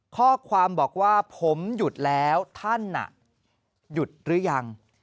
ข้อความบอกว่าผมหยุดแล้วท่านหยุดหรือยัง